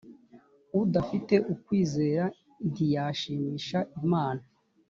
udafite ukwizera ntiyayishimisha imana